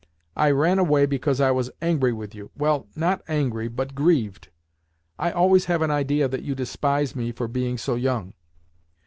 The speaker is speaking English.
I ran away because I was angry with you—well, not angry, but grieved. I always have an idea that you despise me for being so young."